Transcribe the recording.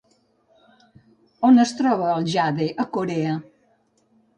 On es troba el jade a Corea?